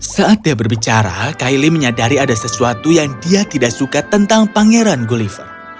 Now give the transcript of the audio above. saat dia berbicara kylie menyadari ada sesuatu yang dia tidak suka tentang pangeran gulliver